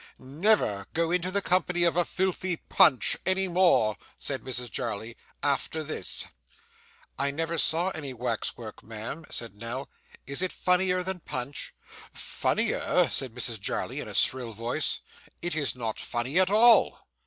'Never go into the company of a filthy Punch any more,' said Mrs Jarley, 'after this.' 'I never saw any wax work, ma'am,' said Nell. 'Is it funnier than Punch?' 'Funnier!' said Mrs Jarley in a shrill voice. 'It is not funny at all.